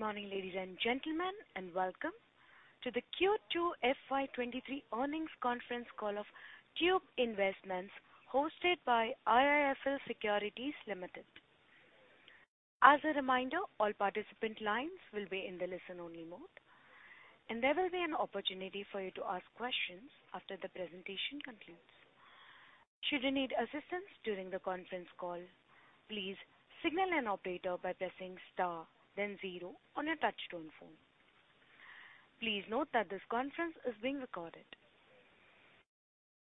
Good morning, ladies and gentlemen, and welcome to the Q2 FY 2023 earnings conference call of Tube Investments hosted by IIFL Securities Limited. As a reminder, all participant lines will be in the listen-only mode, and there will be an opportunity for you to ask questions after the presentation concludes. Should you need assistance during the conference call, please signal an operator by pressing star then zero on your touch-tone phone. Please note that this conference is being recorded.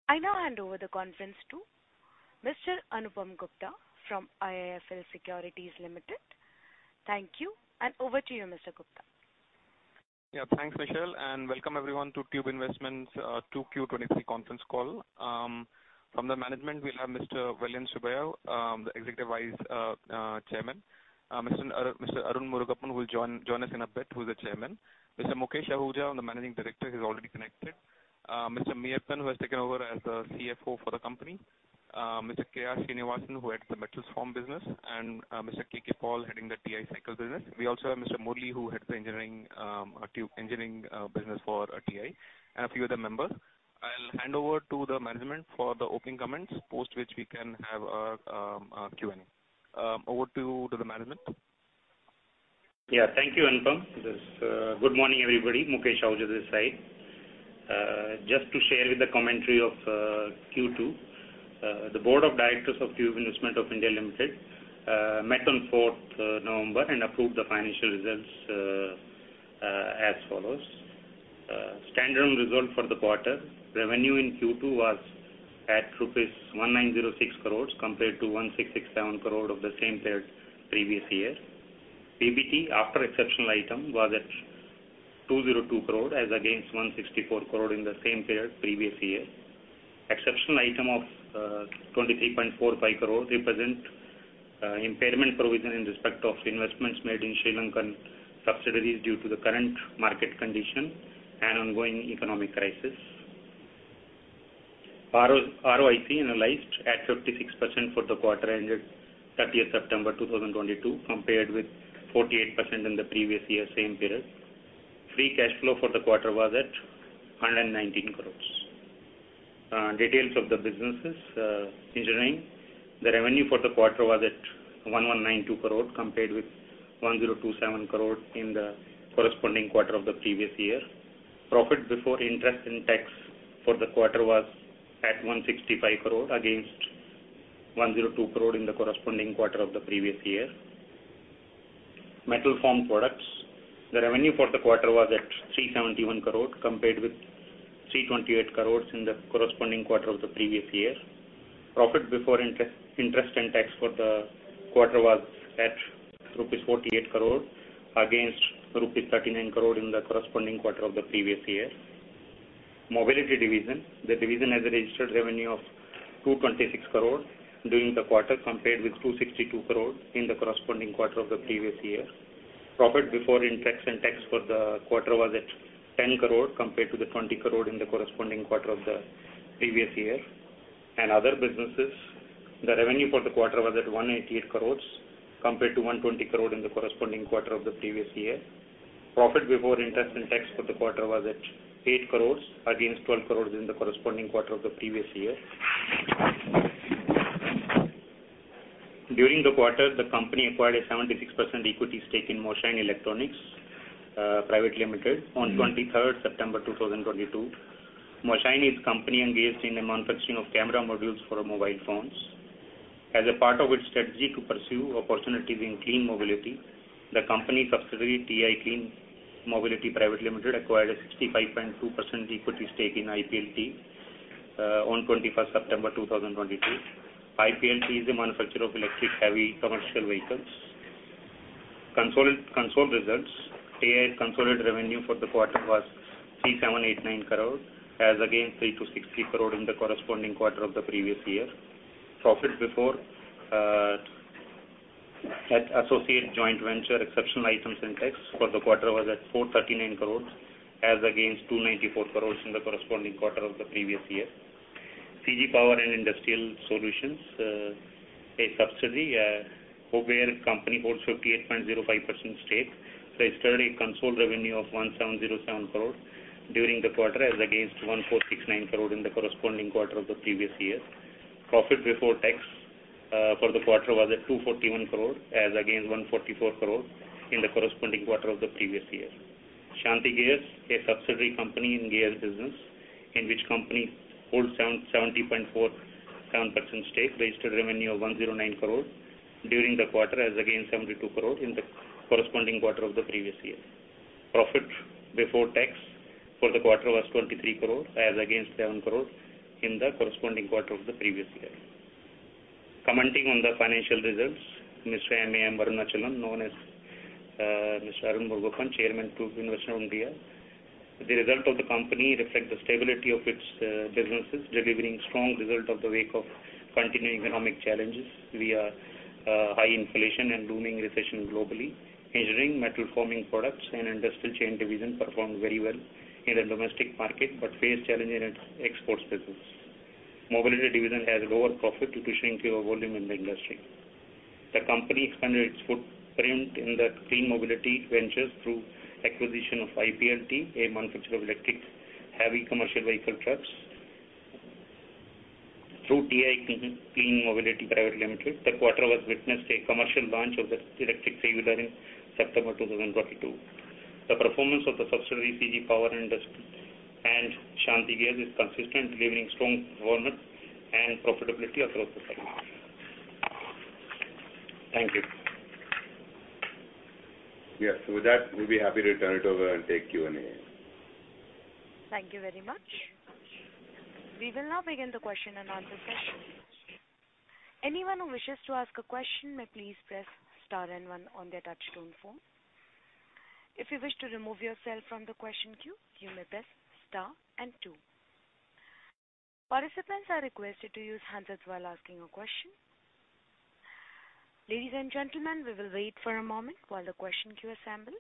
I now hand over the conference to Mr. Anupam Gupta from IIFL Securities Limited. Thank you, and over to you, Mr. Gupta. Thanks, Michelle, and welcome everyone to Tube Investments 2Q 2023 conference call. From the management, we'll have Mr. Vellayan Subbiah, the Executive Vice Chairman. Mr. M.M. Murugappan will join us in a bit, who is the Chairman. Mr. Mukesh Ahuja, the Managing Director, he's already connected. Mr. A.N. Meyyappan, who has taken over as the CFO for the company, Mr. K.R. Srinivasan, who heads the Metal Formed business, and Mr. K.K. Paul heading the TI Cycles business. We also have Mr. Murali who heads the Tube Engineering business for TI, and a few other members. I'll hand over to the Management for the opening comments, post which we can have Q&A. Over to you, the management. Thank you, Anupam. Good morning, everybody. Mukesh Ahuja this side. Just to share the commentary of Q2. The board of directors of Tube Investments of India Limited met on 4th November and approved the financial results as follows. Standalone result for the quarter, revenue in Q2 was at rupees 1,906 crores compared to 1,667 crore of the same period previous year. PBT after exceptional item was at 202 crore as against 164 crore in the same period previous year. Exceptional item of 23.45 crore represents impairment provision in respect of investments made in Sri Lankan subsidiaries due to the current market condition and ongoing economic crisis. ROIC annualized at 56% for the quarter ended 30th September 2022 compared with 48% in the previous year same period. Free cash flow for the quarter was at 119 crores. Details of the businesses. Engineering, the revenue for the quarter was at 1,192 crores compared with 1,027 crore in the corresponding quarter of the previous year. Profit before interest and tax for the quarter was at 165 crore against 102 crore in the corresponding quarter of the previous year. Metal Formed Products, the revenue for the quarter was at 371 crore compared with 328 crore in the corresponding quarter of the previous year. Profit before interest and tax for the quarter was at rupees 48 crore against rupees 39 crore in the corresponding quarter of the previous year. Mobility division, the division has a registered revenue of 226 crore during the quarter compared with 262 crore in the corresponding quarter of the previous year. Profit before interest and tax for the quarter was at 10 crore compared to 20 crore in the corresponding quarter of the previous year. In other businesses, the revenue for the quarter was at 188 crores compared to 120 crore in the corresponding quarter of the previous year. Profit before interest and tax for the quarter was at 8 crores against 12 crores in the corresponding quarter of the previous year. During the quarter, the company acquired a 76% equity stake in Moshine Electronics Private Limited on 23rd September 2022. Moshine is a company engaged in the manufacturing of camera modules for mobile phones. As a part of its strategy to pursue opportunities in clean mobility, the company subsidiary, TI Clean Mobility Private Limited, acquired a 65.2% equity stake in IPLT on 21st September 2023. IPLT is a manufacturer of electric heavy commercial vehicles. Consolidated results. TI's consolidated revenue for the quarter was 3,789 crore as against 3,263 crore in the corresponding quarter of the previous year. Profit before at associate joint venture exceptional items and tax for the quarter was at 439 crore as against 294 crore in the corresponding quarter of the previous year. CG Power and Industrial Solutions, a subsidiary where company holds 58.05% stake, so a steady consolidated revenue of 1,707 crore during the quarter as against 1,469 crore in the corresponding quarter of the previous year. Profit before tax for the quarter was at 241 crore as against 144 crore in the corresponding quarter of the previous year. Shanthi Gears, a subsidiary company in gears business in which company holds 77.47% stake, registered revenue of 109 crore during the quarter as against 72 crore in the corresponding quarter of the previous year. Profit before tax for the quarter was 23 crore as against 7 crore in the corresponding quarter of the previous year. Commenting on the financial results, Mr. M.A.M. Arunachalam, known as, Mr. M. M. Murugappan, Chairman, Tube Investments of India Limited, the results of the company reflect the stability of its businesses, delivering strong results in the wake of continuing economic challenges with high inflation and looming recession globally. Engineering, metal forming products and industrial chain division performed very well in the domestic market but faced challenges in its exports business. Mobility division has lower profit due to shrinkage in volume in the industry. The company expanded its footprint in the clean mobility ventures through acquisition of IPLT, a manufacturer of electric heavy commercial vehicle trucks. Through TI Clean Mobility Private Limited, the quarter was witnessed a commercial launch of the electric three-wheeler in September 2022. The performance of the subsidiary CG Power and Industrial Solutions and Shanthi Gears is consistent, delivering strong performance and profitability across the segments. Thank you. Yes. With that, we'll be happy to turn it over and take Q&A. Thank you very much. We will now begin the question-and-answer session. Anyone who wishes to ask a question may please press star and one on their touchtone phone. If you wish to remove yourself from the question queue, you may press star and two. Participants are requested to use handsets while asking a question. Ladies and gentlemen, we will wait for a moment while the question queue assembles.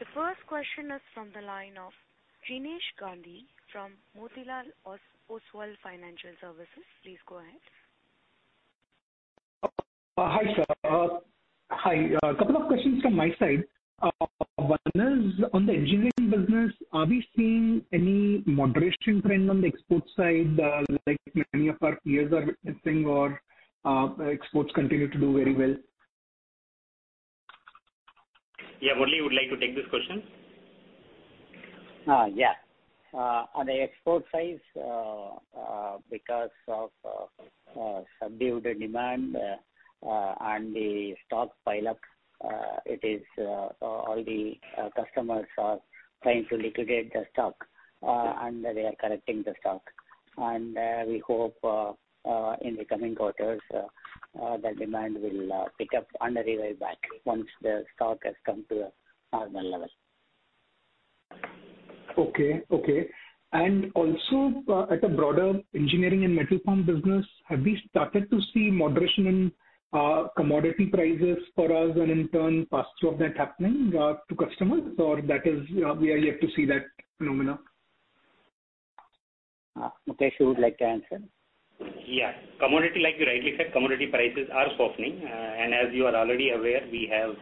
The first question is from the line of Jinesh Gandhi from Motilal Oswal Financial Services. Please go ahead. Hi, sir. Hi. Couple of questions from my side. One is on the Engineering business. Are we seeing any moderation trend on the export side, like many of our peers are witnessing or exports continue to do very well? Yeah. Murali, would like to take this question? On the export side, because of subdued demand and the stock pileup, it is all the customers are trying to liquidate the stock, and they are correcting the stock. We hope in the coming quarters the demand will pick up and revive back once the stock has come to a normal level. Okay, also at a Broader Engineering and Metal Formed business, have we started to see moderation in commodity prices for us and in turn pass through of that happening to customers or that is, we are yet to see that phenomenon? Mukesh, you would like to answer? Yeah. Commodity like you rightly said, commodity prices are softening. As you are already aware, we have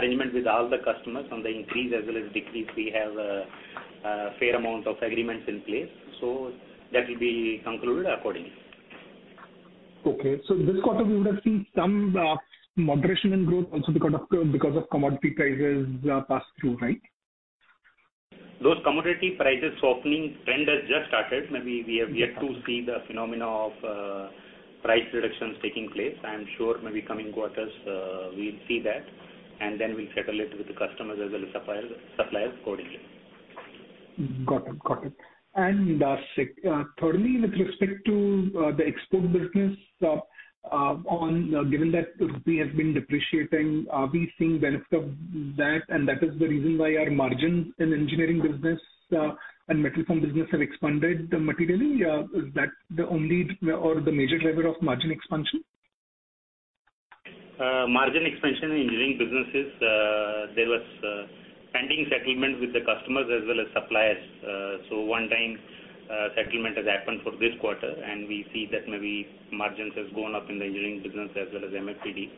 arrangement with all the customers on the increase as well as decrease. We have fair amount of agreements in place, so that will be concluded accordingly. Okay. This quarter we would have seen some moderation in growth also because of commodity prices pass through, right? Those commodity prices softening trend has just started. Maybe we have yet to see the phenomena of price reductions taking place. I am sure maybe coming quarters, we'll see that and then we'll settle it with the customers as well as suppliers accordingly. Thirdly, with respect to the export business, given that rupee has been depreciating, are we seeing benefit of that and that is the reason why our margins in engineering business and metal form business have expanded materially? Is that the only or the major driver of margin expansion? Margin expansion in engineering businesses, there was pending settlement with the customers as well as suppliers. One time settlement has happened for this quarter, and we see that maybe margins has gone up in the Engineering business as well as MFPD.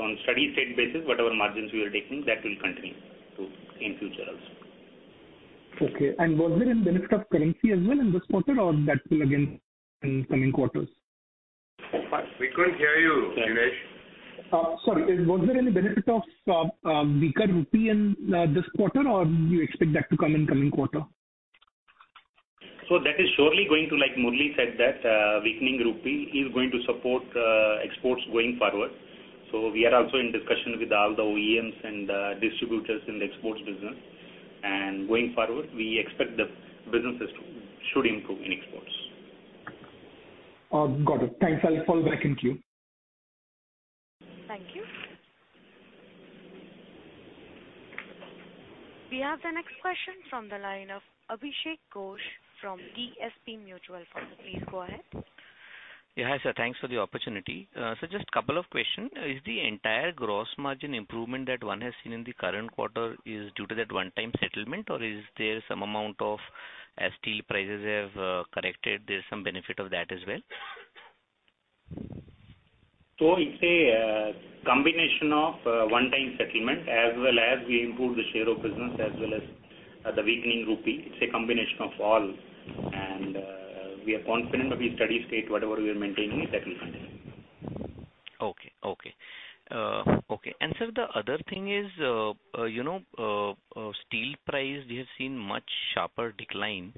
On steady state basis, whatever margins we are taking, that will continue to in future also. Okay. Was there any benefit of currency as well in this quarter or that will again in coming quarters? We couldn't hear you, Jinesh. Sorry. Was there any benefit of weaker rupee in this quarter or do you expect that to come in coming quarter? That is surely going to, like Murali said that, weakening rupee is going to support exports going forward. We are also in discussion with all the OEMs and distributors in the exports business. Going forward, we expect the businesses should improve in exports. Got it. Thanks. I'll fall back in queue. Thank you. We have the next question from the line of Abhishek Ghosh from DSP Mutual Fund. Please go ahead. Yeah. Hi, Sir. Thanks for the opportunity. Just couple of question. Is the entire gross margin improvement that one has seen in the current quarter is due to that one-time settlement or is there some amount of as steel prices have corrected, there's some benefit of that as well? It's a combination of one-time settlement as well as we improved the share of business as well as the weakening rupee. It's a combination of all and we are confident maybe steady state, whatever we are maintaining it, that will continue. Okay. Sir, the other thing is, you know, steel price we have seen much sharper decline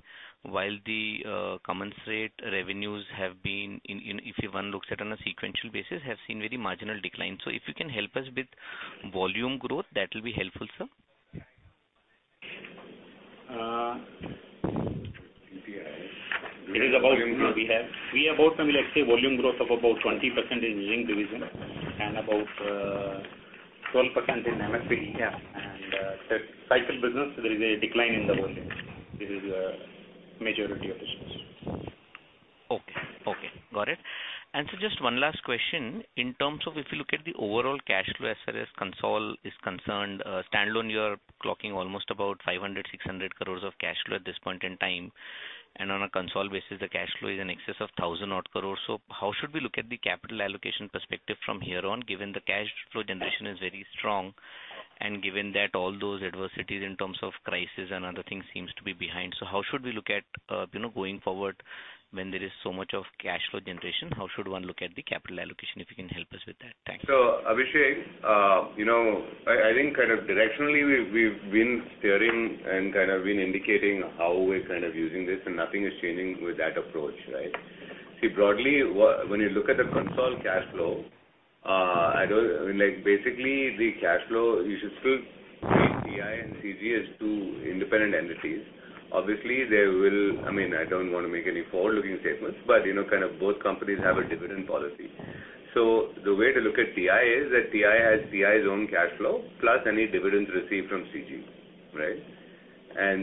while the commensurate revenues have been in, if one looks at on a sequential basis, very marginal decline. So if you can help us with volume growth, that will be helpful, Sir. It is about we have about maybe let's say volume growth of about 20% in Engineering division and about 12% in MFPD. The cycle business there is a decline in the volume. This is majority of the share. Just one last question. In terms of if you look at the overall cash flow as far as consolidated is concerned, standalone, you are clocking almost about 500-600 crores of cash flow at this point in time. On a consolidated basis, the cash flow is in excess of 1,000-odd crores. How should we look at the capital allocation perspective from here on, given the cash flow generation is very strong and given that all those adversities in terms of crisis and other things seems to be behind? How should we look at, you know, going forward when there is so much of cash flow generation, how should one look at the capital allocation, if you can help us with that? Thanks. Abhishek, you know, I think kind of directionally we've been steering and kind of been indicating how we're kind of using this, and nothing is changing with that approach, right? See, broadly, when you look at the consolidated cash flow, I don't like, basically, the cash flow, you should still treat TI and CG as two independent entities. Obviously, there will... I mean, I don't want to make any forward-looking statements, but, you know, kind of both companies have a dividend policy. The way to look at TI is that TI has TI's own cash flow, plus any dividends received from CG, right?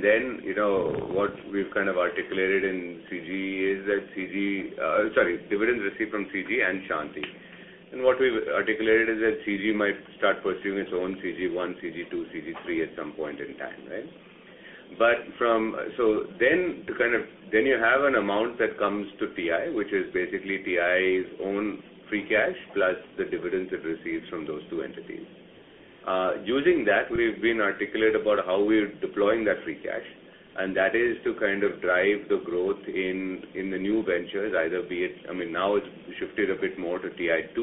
Then, you know, what we've kind of articulated in CG is that CG, sorry, dividends received from CG and Shanthi. What we've articulated is that CG might start pursuing its own CG one, CG two, CG three at some point in time, right? Then you have an amount that comes to TI, which is basically TI's own free cash, plus the dividends it receives from those two entities. Using that, we've articulated about how we're deploying that free cash, and that is to kind of drive the growth in the new ventures, either be it. I mean, now it's shifted a bit more to TI-2,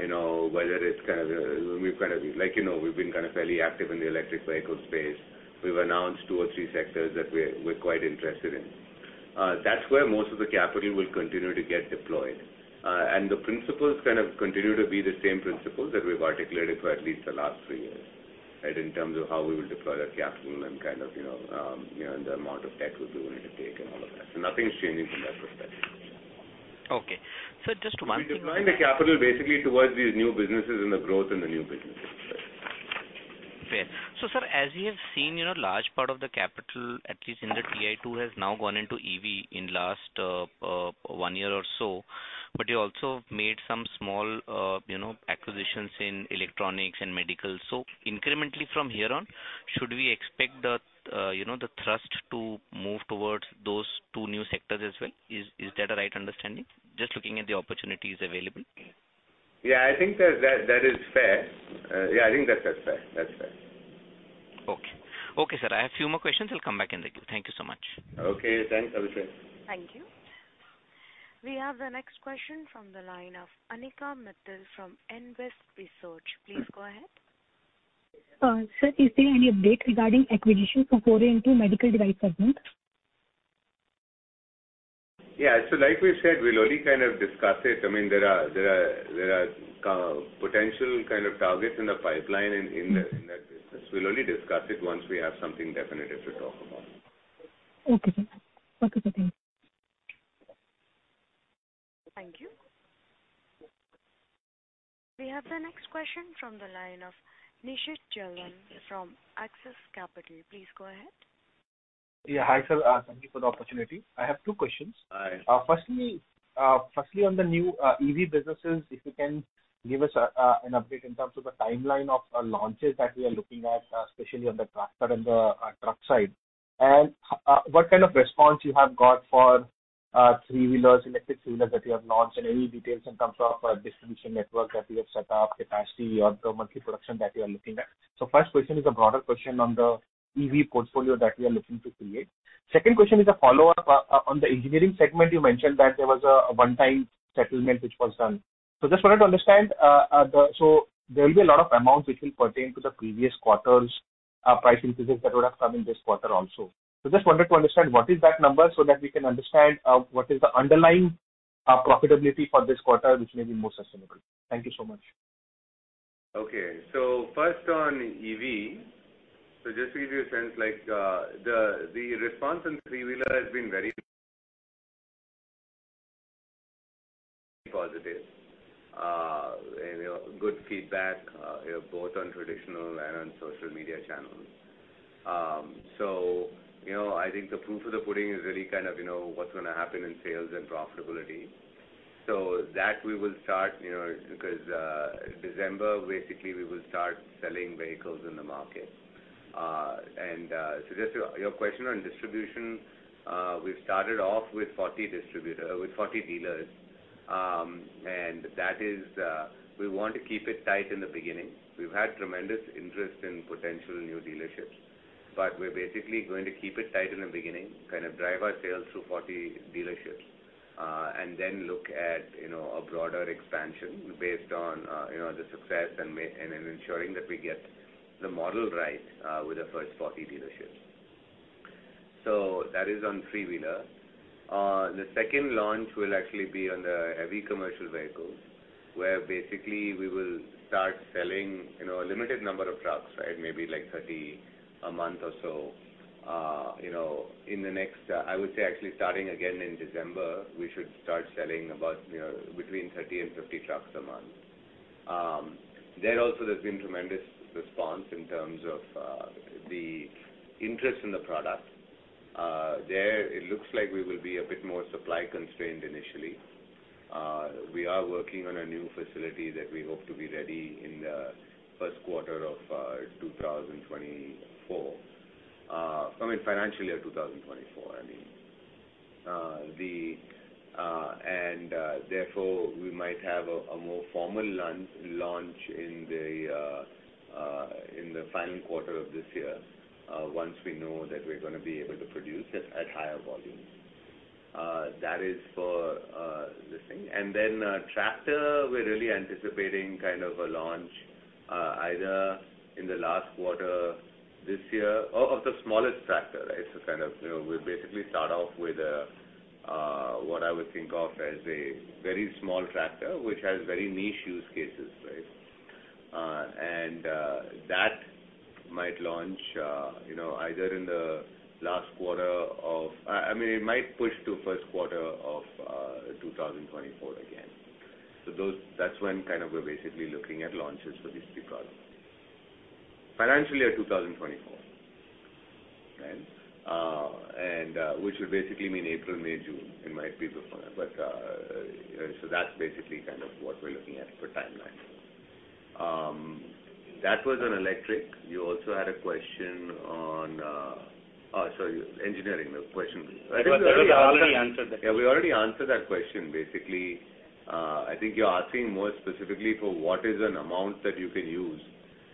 you know, whether it's kind of the. We've kind of like, you know, we've been kind of fairly active in the electric vehicle space. We've announced two or three sectors that we're quite interested in. That's where most of the capital will continue to get deployed. The principles kind of continue to be the same principles that we've articulated for at least the last three years, right? In terms of how we will deploy that capital and kind of, you know, and the amount of debt we'll be willing to take and all of that. Nothing's changing from that perspective. Okay. Sir, just one thing. We deploy the capital basically towards these new businesses and the growth in the new businesses. Fair. Sir, as we have seen, you know, large part of the capital, at least in the TI-2, has now gone into EV in last one year or so. You also made some small, you know, acquisitions in electronics and medical. Incrementally from here on, should we expect the, you know, the thrust to move towards those two new sectors as well? Is that a right understanding? Just looking at the opportunities available. Yeah, I think that is fair. Yeah, I think that's fair. That's fair. Okay. Okay, sir. I have a few more questions. I'll come back in the queue. Thank you so much. Okay. Thanks, Abhishek. Thank you. We have the next question from the line of Anika Mittal from NVest Research. Please go ahead. Sir, is there any update regarding acquisition for foray into Medical Device segment? Yeah. Like we said, we'll only kind of discuss it. I mean, there are potential kind of targets in the pipeline in that business. We'll only discuss it once we have something definitive to talk about. Okay, Sir. Thank you. We have the next question from the line of Nishit Jalan from Axis Capital. Please go ahead. Yeah. Hi, Sir. Thank you for the opportunity. I have two questions. Hi. Firstly, on the new EV businesses, if you can give us an update in terms of the timeline of launches that we are looking at, especially on the tractor and the truck side. What kind of response you have got for three-wheelers, electric three-wheelers that you have launched, and any details in terms of distribution network that you have set up, capacity or the monthly production that you are looking at. First question is a broader question on the EV portfolio that we are looking to create. Second question is a follow-up. On the Engineering segment, you mentioned that there was a one-time settlement which was done. Just wanted to understand. There will be a lot of amounts which will pertain to the previous quarters, price increases that would have come in this quarter also. Just wanted to understand what is that number so that we can understand what is the underlying profitability for this quarter, which may be more sustainable. Thank you so much. Okay. First on EV. Just to give you a sense, like, the response in three-wheeler has been very positive, you know, good feedback, you know, both on traditional and on social media channels. You know, I think the proof of the pudding is really kind of you know, what's going to happen in sales and profitability. That we will start, you know, in December, basically, we will start selling vehicles in the market. Your question on distribution, we've started off with 40 dealers. That is, we want to keep it tight in the beginning. We've had tremendous interest in potential new dealerships. We're basically going to keep it tight in the beginning, kind of drive our sales through 40 dealerships, and then look at, you know, a broader expansion based on, you know, the success and in ensuring that we get the model right, with the first 40 dealerships. That is on three-wheeler. The second launch will actually be on the heavy commercial vehicles, where basically we will start selling, you know, a limited number of trucks, right? Maybe like 30 a month or so. You know, in the next, I would say actually starting again in December, we should start selling about, you know, between 30 and 50 trucks a month. There also there's been tremendous response in terms of, the interest in the product. There it looks like we will be a bit more supply constrained initially. We are working on a new facility that we hope to be ready in the first quarter of 2024, I mean, financial year 2024, I mean. Therefore, we might have a more formal launch in the final quarter of this year, once we know that we're going to be able to produce this at higher volumes. That is for this thing. Tractor, we're really anticipating kind of a launch either, in the last quarter this year.... of the smallest tractor, right? Kind of, you know, we'll basically start off with what I would think of as a very small tractor, which has very niche use cases, right? That might launch, you know, either, in the last quarter of- I mean, it might push to first quarter of 2024 again. That's when kind of, we're basically looking at launches for these three products. Financial year 2024, right? Which would basically mean April, May, June, it might be before that. You know, so that's basically kind of what we're looking at for timeline. That was on Electric. You also had a question on Engineering, the question. I think we already answered that. Yeah, we already answered that question, basically. I think you're asking more specifically for what is an amount that you can use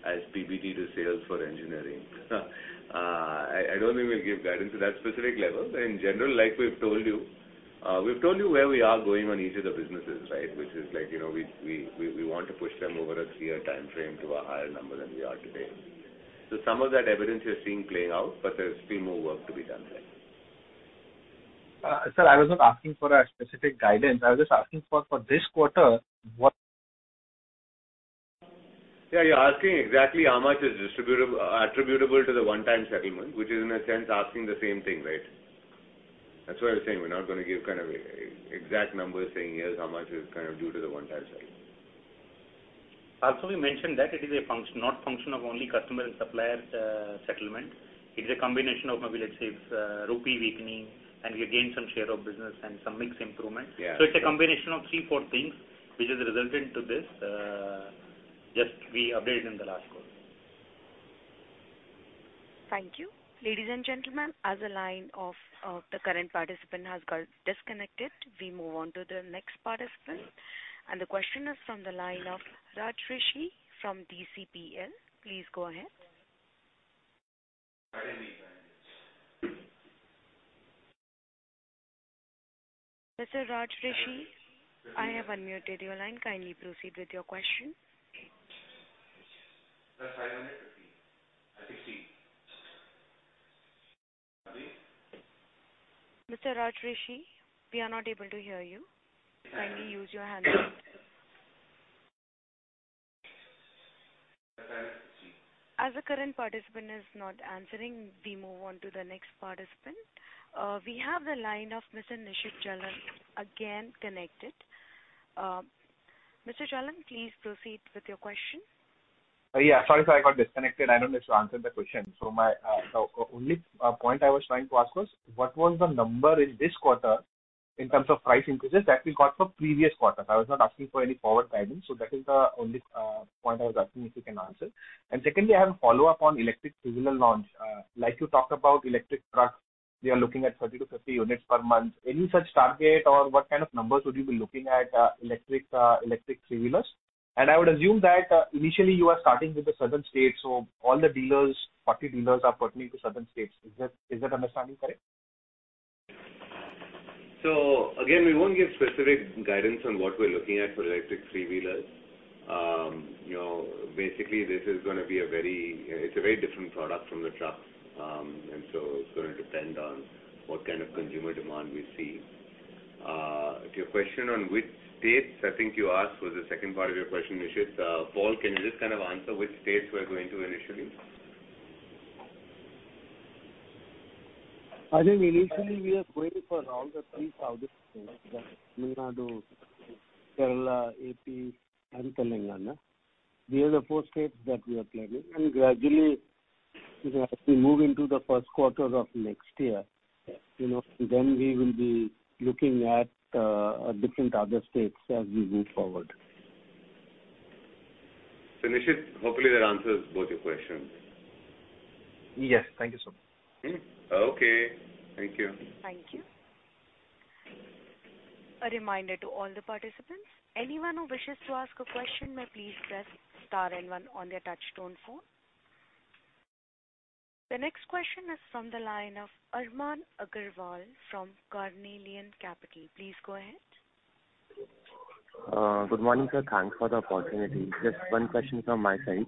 as PBT to sales for engineering. I don't think we'll give guidance to that specific level. In general, like we've told you, we've told you where we are going on each of the businesses, right? Which is like, you know, we want to push them over a three-year timeframe to a higher number than we are today. Some of that evidence you're seeing playing out, but there's still more work to be done there. Sir, I was not asking for a specific guidance. I was just asking for this quarter, what? Yeah, you're asking exactly how much is distributable, attributable to the one-time settlement, which is in a sense asking the same thing, right? That's why I was saying we're not going to give kind of exact numbers saying, yes, how much is kind of due to the one-time settlement. Also, we mentioned that it is not a function of only customer and supplier settlement. It is a combination of maybe, let's say, it's rupee weakening, and we gained some share of business and some mix improvement. Yeah. It's a combination of three, four things which has resulted to this, just we updated in the last quarter. Thank you. Ladies and gentlemen, as the line of the current participant has got disconnected, we move on to the next participant. The question is from the line of Raj Rishi from DCPL. Please go ahead. Mr. Raj Rishi, I have unmuted your line. Kindly proceed with your question. [inaudible] Mr. Raj Rishi, we are not able to hear you. Kindly use your handset. As the current participant is not answering, we move on to the next participant. We have the line of Mr. Nishit Jalan, again connected. Mr. Jalan, please proceed with your question. Yeah. Sorry, I got disconnected. I don't know if you answered the question. My only point I was trying to ask was, what was the number in this quarter in terms of price increases that we got from previous quarters? I was not asking for any forward guidance, so that is the only point I was asking if you can answer. Secondly, I have a follow-up on electric three-wheeler launch. Like you talked about electric trucks, we are looking at 30-50 units per month. Any such target or what kind of numbers would you be looking at, electric three-wheelers? I would assume that initially you are starting with the southern states, so all the dealers, 40 dealers are pertaining to southern states. Is that understanding correct? Again, we won't give specific guidance on what we're looking at for electric three-wheelers. You know, basically this is going to be a very, it's a very different product from the trucks. It's going to depend on what kind of consumer demand we see. Your question on which states, I think you asked was the second part of your question, Nishit. Paul, can you just kind of answer which states we're going to initially? I think initially we are going for around the three southern states, Tamil Nadu, Kerala, AP, and Telangana. These are the four states that we are planning. Gradually, you know, as we move into the first quarter of next year, you know, then we will be looking at different other states as we move forward. Nishit, hopefully that answers both your questions. Yes. Thank you, Sir. Okay. Thank you. Thank you. A reminder to all the participants, anyone who wishes to ask a question may please press star and one on their touch-tone phone. The next question is from the line of Armaan Agarwal from Carnelian Capital. Please go ahead. Good morning, sir. Thanks for the opportunity. Just one question from my side.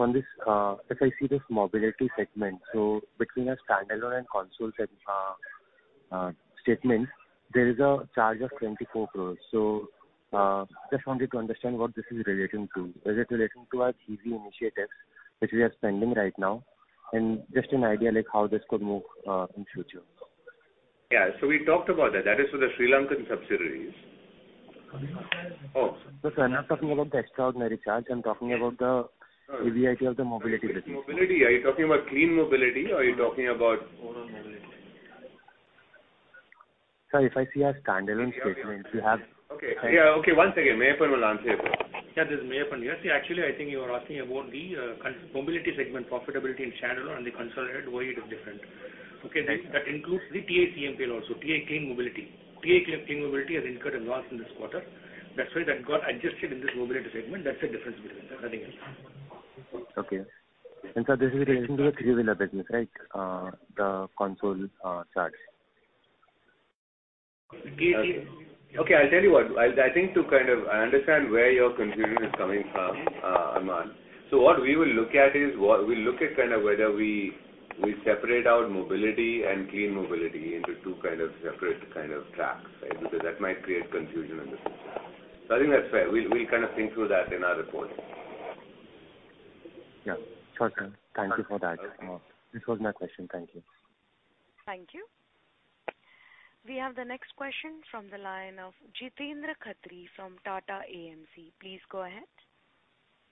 On this, if I see this Mobility segment, between a Standalone and Consolidated segment statement, there is a charge of 24 crore. Just wanted to understand what this is relating to. Is it relating to our EV initiatives which we are spending right now? Just an idea, like how this could move in future. Yeah. We talked about that. That is for the Sri Lankan subsidiaries. Sir, I'm not talking about the extraordinary charge. I'm talking about the EBIT of the Mobility business. Mobility. Are you talking about Clean Mobility or are you talking about- Sir, if I see a standalone statement, you have. Okay. Yeah. Okay, one second. Meyyappan will answer you. Yeah. This is Meyyappan. See, actually, I think you are asking about the Clean Mobility segment profitability in [inaudible] and the consolidated, why it is different. Okay. That includes the TI Clean Mobility also, TI Clean Mobility. TI Clean Mobility has incurred a loss in this quarter. That's why that got adjusted in this mobility segment. That's the difference between them, nothing else. Okay. This is relating to the three-wheeler business, right? The consolidated charts. Okay, I'll tell you what. I think I understand where your confusion is coming from, Arman. What we will look at is we'll look at kind of whether we separate out Mobility and Clean Mobility into two kinds of separate kind of tracks, right? Because that might create confusion in the system. I think that's fair. We'll kind of think through that in our report. Yeah. Sure, Sir. Thank you for that. This was my question. Thank you. Thank you. We have the next question from the line of Jeetendra Khatri from Tata AMC. Please go ahead.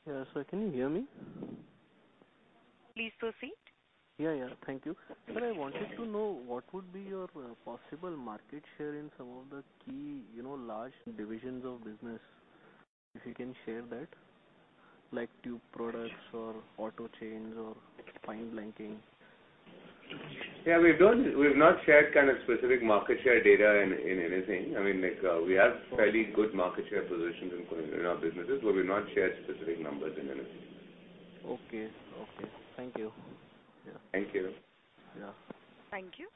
Yeah. Can you hear me? Please proceed. Yeah, yeah. Thank you. I wanted to know what would be your possible market share in some of the key, you know, large divisions of business, if you can share that? like tube products or auto chains or fine blanking. Yeah. We've not shared kind of specific market share data in anything. I mean, like, we have fairly good market share positions in our businesses, but we've not shared specific numbers in anything. Okay. Thank you. Yeah. Thank you. Yeah. Thank you.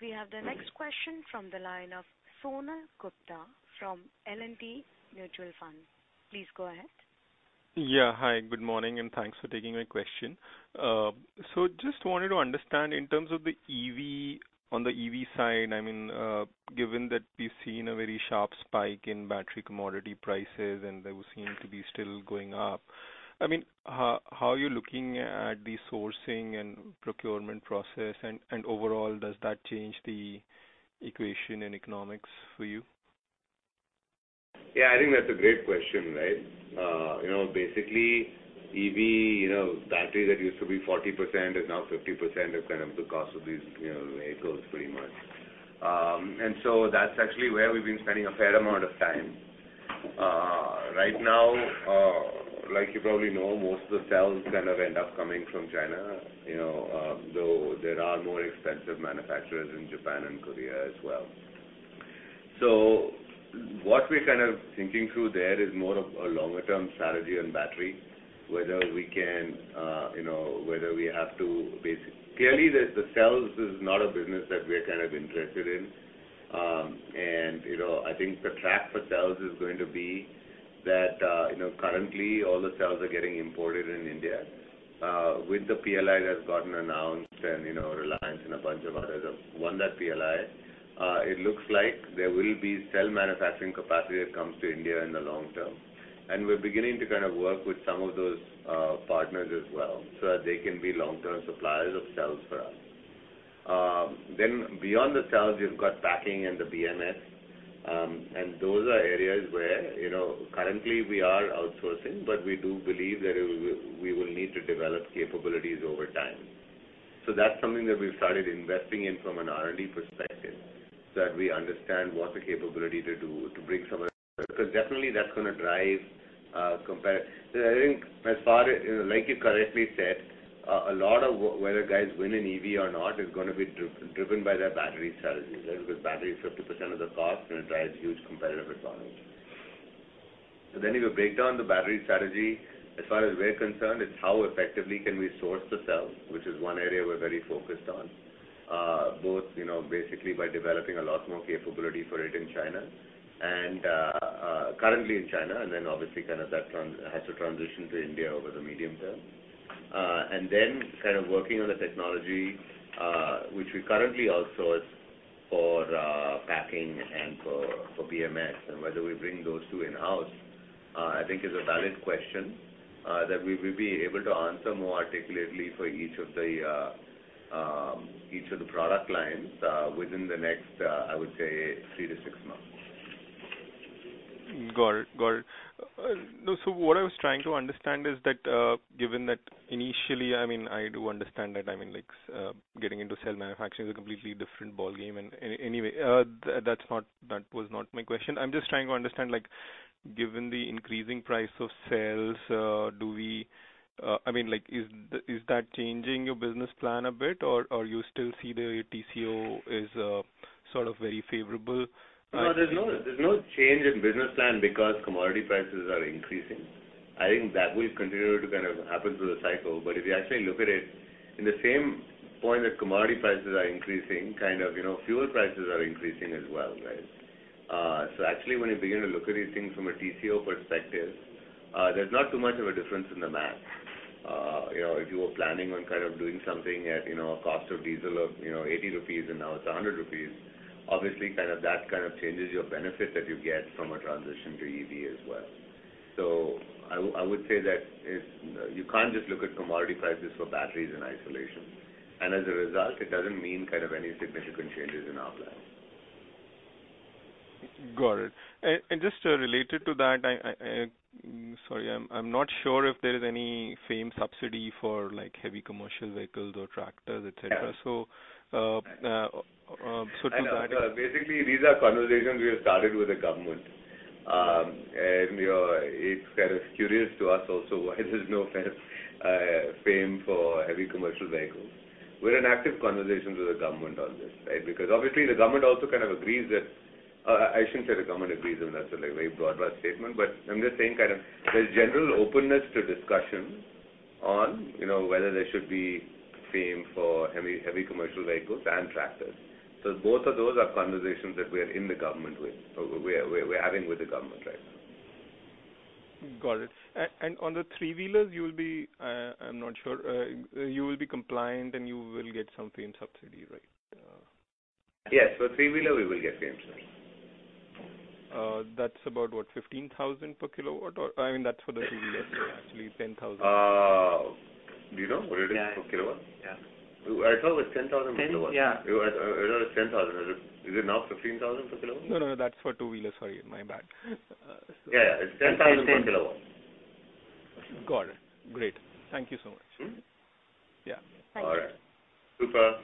We have the next question from the line of Sonal Gupta from L&T Mutual Fund. Please go ahead. Yeah. Hi, good morning, and thanks for taking my question. Just wanted to understand in terms of the EV, on the EV side, I mean, given that we've seen a very sharp spike in battery commodity prices, and they seem to be still going up. I mean, how are you looking at the sourcing and procurement process? Overall, does that change the equation in economics for you? Yeah, I think that's a great question, right? You know, basically EV, you know, battery that used to be 40% is now 50% of kind of the cost of these, you know, vehicles pretty much. That's actually where we've been spending a fair amount of time. Right now, like you probably know, most of the cell's kind of end up coming from China. You know, though there are more expensive manufacturers in Japan and Korea as well. What we're kind of thinking through there is more of a longer-term strategy on battery, whether we can, you know, whether we have to. Clearly, the cells is not a business that we're kind of interested in. You know, I think the track for cells is going to be that, you know, currently all the cells are getting imported in India. With the PLI that's gotten announced and, you know, Reliance and a bunch of others have won that PLI, it looks like there will be cell manufacturing capacity that comes to India in the long term. We're beginning to kind of work with some of those, partners as well, so that they can be long-term suppliers of cells for us. Beyond the cells, you've got packing and the BMS. Those are areas where, you know, currently we are outsourcing, but we do believe that we will need to develop capabilities over time. That's something that we've started investing in from an R&D perspective, so that we understand what's the capability to do to bring some of that. Definitely that's going to drive. I think as far as, you know, like you correctly said, a lot of whether guys win an EV or not is going to be driven by their battery strategy, right? Because battery is 50% of the cost and it drives huge competitive advantage. If you break down the Battery strategy, as far as we're concerned, it's how effectively can we source the cell, which is one area we're very focused on, both, you know, basically by developing a lot more capability for it in China and currently in China, and then obviously kind of that has to transition to India over the medium term. Then kind of working on the technology, which we currently outsource for packing and for BMS. Whether we bring those two in-house, I think is a valid question that we will be able to answer more articulately for each of the product lines within the next three to six months. Got it. What I was trying to understand is that, given that initially, I mean, I do understand that, I mean, like, getting into cell manufacturing is a completely different ballgame. Anyway, that was not my question. I'm just trying to understand, like, given the increasing price of cells, do we, I mean, like, is that changing your business plan a bit or you still see the TCO is sort of very favorable? No, there's no change in business plan because commodity prices are increasing. I think that will continue to kind of happen through the cycle. If you actually look at it, in the same point that commodity prices are increasing, kind of, you know, fuel prices are increasing as well, right? So actually, when you begin to look at these things from a TCO perspective, there's not too much of a difference in the math. You know, if you were planning on kind of doing something at, you know, a cost of diesel of 80 rupees and now it's 100 rupees. Obviously, kind of, that kind of changes your benefit that you get from a transition to EV as well. I would say that it's, you can't just look at commodity prices for batteries in isolation. As a result, it doesn't mean kind of any significant changes in our plan. Got it. Just related to that, sorry, I'm not sure if there is any FAME subsidy for, like, heavy commercial vehicles or tractors, et cetera. Yeah. So, uh, uh, um, so to that- I know. Basically, these are conversations we have started with the government. You know, it's kind of curious to us also why there's no FAME for heavy commercial vehicles. We're in active conversations with the government on this, right? Because obviously the government also kind of agrees that I shouldn't say the government agrees with us, that's, like, a very broad-brush statement. I'm just saying kind of theirs general openness to discussion on, you know, whether there should be FAME for heavy commercial vehicles and tractors. Both of those are conversations that we are in with the government or we're having with the government right now. Got it. On the three-wheelers, you'll be, I'm not sure, you will be compliant and you will get some FAME subsidy, right? Yes. For three-wheeler, we will get FAME subsidy. That's about 15,000 per kW. I mean, that's for the three-wheeler, so actually 10,000. Do you know what it is per kW? Yeah. Yeah. I thought it was 10,000 per kW. 10, yeah. I know it's INR 10,000. Is it now 15,000 per kW? No, no, that's for two-wheeler. Sorry, my bad. Yeah, it's 10,000 per kW. Got it. Great. Thank you so much. Mm-hmm. Yeah. Thank you. All right. Super.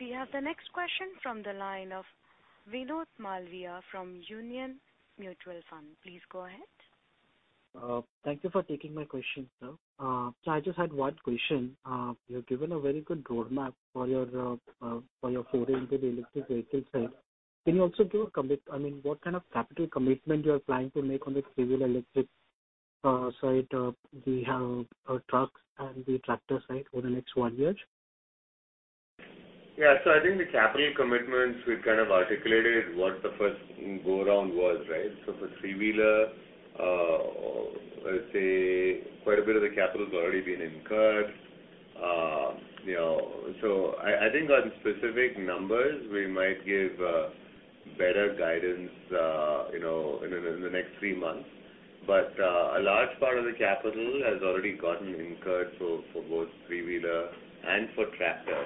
We have the next question from the line of Vinod Malviya from Union Mutual Fund. Please go ahead. Thank you for taking my question, Sir. I just had one question. You have given a very good roadmap for your four-wheeler electric vehicle side. Can you also give I mean, what kind of capital commitment you are planning to make on the three-wheeler Electric side, the trucks and the tractor side over the next one year? Yeah. I think the capital commitments, we've kind of articulated what the first go around was, right? For three-wheeler, let's say quite a bit of the capital has already been incurred. You know, I think on specific numbers, we might give better guidance, you know, in the next three months. A large part of the capital has already gotten incurred, so for both three-wheeler and for tractor.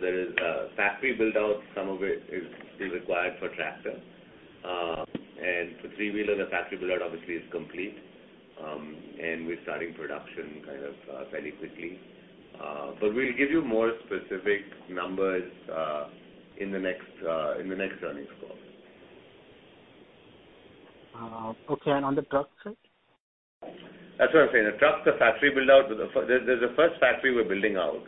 There is factory build out, some of it is required for tractor. For three-wheeler, the factory build out obviously is complete, and we're starting production kind of very quickly. But we'll give you more specific numbers in the next earnings call. Okay. On the truck side? That's what I'm saying. The truck, the factory build out. There's a first factory we're building out.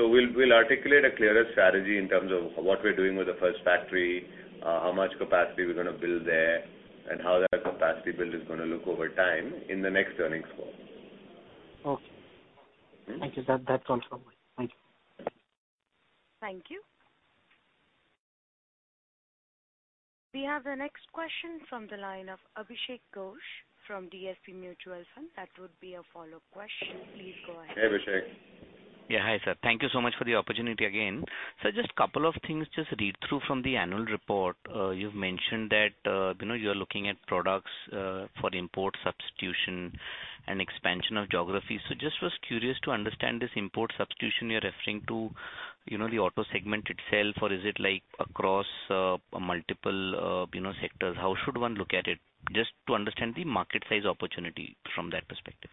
We'll articulate a clearer strategy in terms of what we're doing with the first factory, how much capacity we're going to build there, and how that capacity build is going to look over time in the next earnings call. Okay. Mm-hmm. Thank you, sir. That's all from my end. Thank you. Thank you. We have the next question from the line of Abhishek Ghosh from DSP Mutual Fund. That would be a follow-up question. Please go ahead. Hey, Abhishek. Yeah. Hi, Sir. Thank you so much for the opportunity again. Sir, just couple of things just read through from the annual report. You've mentioned that, you know, you're looking at products for import substitution and expansion of geography. Just was curious to understand this import substitution you're referring to, you know, the auto segment itself, or is it like across multiple, you know, sectors? How should one look at it? Just to understand the market size opportunity from that perspective.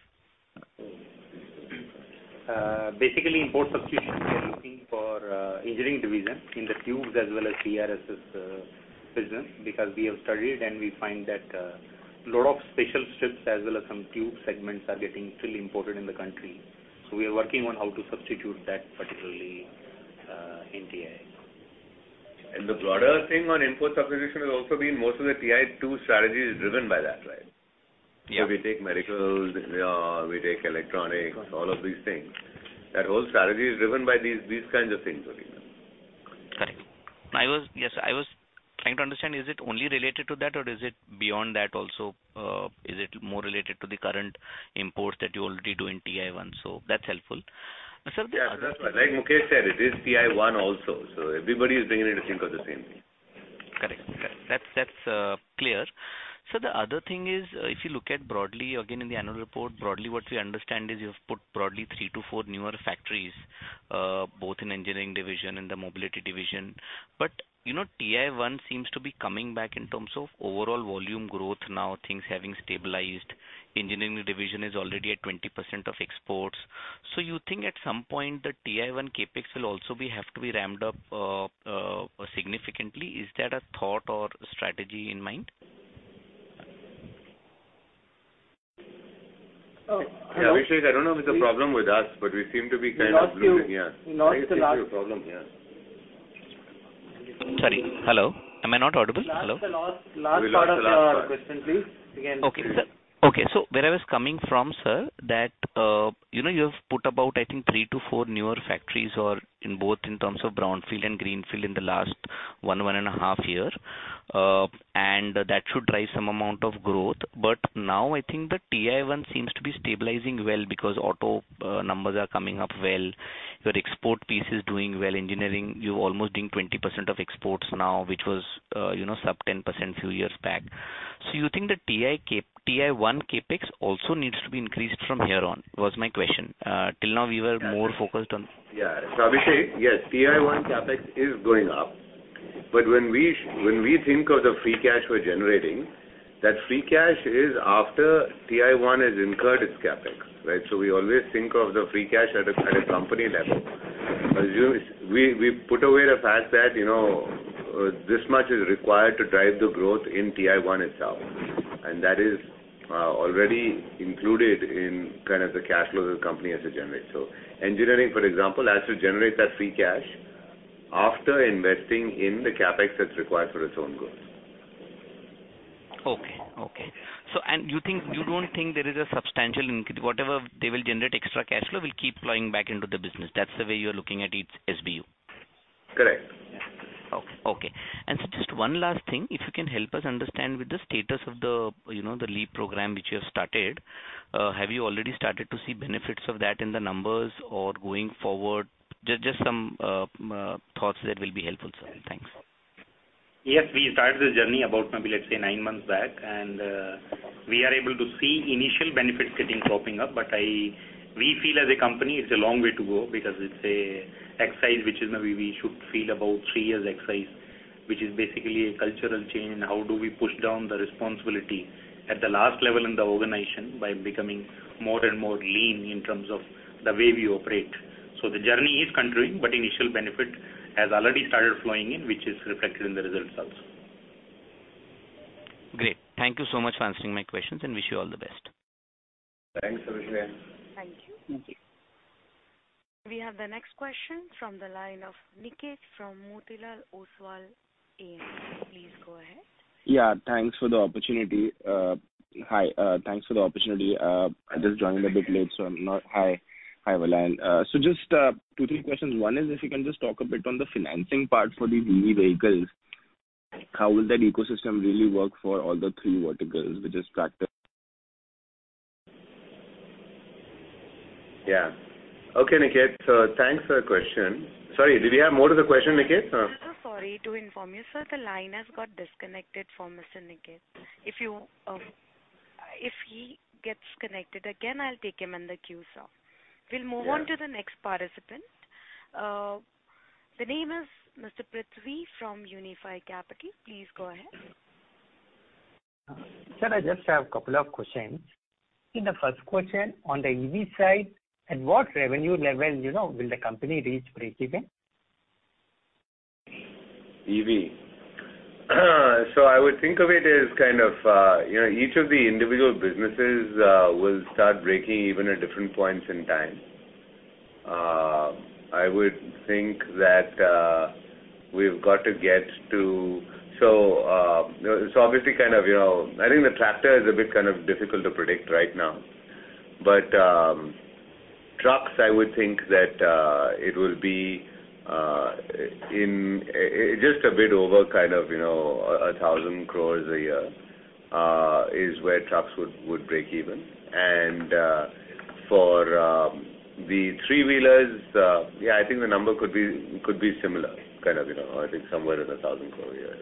Basically, import substitution we are looking for engineering division in the tubes as well as CRS business, because we have studied and we find that lot of special strips as well as some Tube segments are getting still imported in the country. We are working on how to substitute that particularly in TI. The broader thing on import substitution has also been. Most of the TI-2 strategy is driven by that, right? Yeah. We take medicals, we take electronics, all of these things. That whole strategy is driven by these kinds of things only. Correct. Yes, I was trying to understand, is it only related to that or is it beyond that also? Is it more related to the current imports that you already do in TI-1? That's helpful. Sir, the other- Yeah, that's why. Like Mukesh said, it is TI-1 also. Everybody is bringing in the same for the same thing. Correct. That's clear. Sir, the other thing is, if you look at broadly again in the annual report, broadly what we understand is you have put broadly three to four newer factories, both in engineering division and the mobility division. You know, TI-1 seems to be coming back in terms of overall volume growth now, things having stabilized. Engineering division is already at 20% of exports. So, you think at some point the TI-1 CapEx will also have to be ramped up significantly? Is that a thought or strategy in mind? Abhishek, I don't know if it's a problem with us, but we seem to be kind of muted. Yeah. We lost you. I think it's a problem, yeah. Sorry. Hello. Am I not audible? Hello. We lost the last part of your question, please. We lost the last part. Can you please- Okay, sir. Where I was coming from, sir, that, you know, you have put about I think three to four newer factories or in both in terms of Brownfield and Greenfield in the last one, 1.5 years. And that should drive some amount of growth. Now I think the TI-1 seems to be stabilizing well because auto numbers are coming up well. Your export piece is doing well. Engineering, you're almost doing 20% of exports now, which was, you know, sub-10% few years back. You think the TI-1 CapEx also needs to be increased from here on, was my question. Till now we were more focused on- Yeah. Abhishek, yes, TI-1 CapEx is going up. When we think of the free cash we're generating, that free cash is after TI-1 has incurred its CapEx, right? We always think of the free cash at a company level. We put away the fact that, you know, this much is required to drive the growth in TI-1 itself, and that is already included in kind of the cash flows the company has to generate. Engineering, for example, has to generate that free cash after investing in the CapEx that's required for its own growth. You don't think there is a substantial whatever they will generate, extra cash flow will keep flowing back into the business. That's the way you're looking at each SBU. Correct. Okay. Just one last thing, if you can help us understand with the status of the, you know, the LEAP program which you have started, have you already started to see benefits of that in the numbers or going forward? Just some thoughts there will be helpful, sir. Thanks. Yes, we started the journey about maybe let's say nine months back, and we are able to see initial benefits getting popping up. We feel as a company it's a long way to go because it's an exercise which is maybe a three-year exercise, which is basically a cultural change in how we push down the responsibility at the last level in the organization by becoming more and more lean in terms of the way we operate. The journey is continuing, but initial benefit has already started flowing in, which is reflected in the results also. Great. Thank you so much for answering my questions, and wish you all the best. Thanks, Abhishek. Thank you. Thank you. We have the next question from the line of Niket from Motilal Oswal Inc. Please go ahead. Thanks for the opportunity. I just joined a bit late. Hi, Vellayan. Just two, three questions. One is if you can just talk a bit on the financing part for the EV vehicles. How will that ecosystem really work for all the three verticals, which is tractor- Yeah. Okay, Niket. Thanks for the question. Sorry, did you have more to the question, Niket? Sorry to inform you, Sir. The line has got disconnected for Mr. Niket. If he gets connected again, I'll take him in the queue, sir. Yeah. We'll move on to the next participant. The name is Mr. Prithvi from Unifi Capital. Please go ahead. Sir, I just have a couple of questions. The first question on the EV side, at what revenue level, you know, will the company reach breakeven? I would think of it as kind of, you know, each of the individual businesses will start breaking even at different points in time. I would think that we've got to get to. Obviously, kind of, you know, I think the tractor is a bit kind of difficult to predict right now. Trucks, I would think that it will be in just a bit over kind of, you know, 1,000 crore a year is where trucks would break even. For the three-wheelers, yeah, I think the number could be similar kind of, you know, I think somewhere in the 1,000 crore a year.